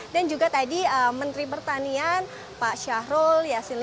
dan juga tadi menteri pertanian pak syahrul yasin limpeti